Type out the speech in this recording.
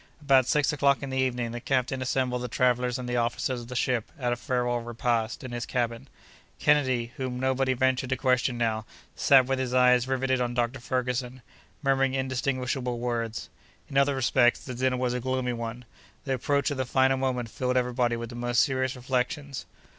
About six o'clock in the evening, the captain assembled the travellers and the officers of the ship at a farewell repast in his cabin. Kennedy, whom nobody ventured to question now, sat with his eyes riveted on Dr. Ferguson, murmuring indistinguishable words. In other respects, the dinner was a gloomy one. The approach of the final moment filled everybody with the most serious reflections.